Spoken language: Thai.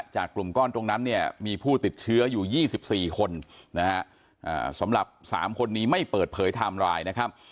กลุ่มก้อนตรงนั้นเนี่ยมีผู้ติดเชื้ออยู่๒๔คนนะฮะสำหรับ๓คนนี้ไม่เปิดเผยไทม์ไลน์นะครับ